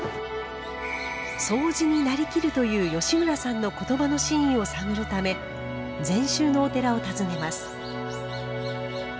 “そうじになりきる”という吉村さんの言葉の真意を探るため禅宗のお寺を訪ねます。